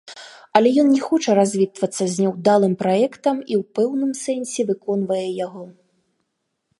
Але ён не хоча развітвацца з няўдалым праектам і ў пэўным сэнсе выконвае яго.